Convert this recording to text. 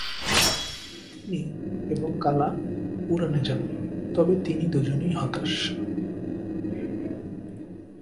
তিনি এবং কালা পুরাণে যান তবে তিনি দু'জনেই হতাশ।